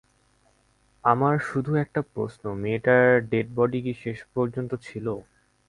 আমার শুধু একটা প্রশ্ন, মেয়েটার ডেডবডি কি শেষ পর্যন্ত ছিল?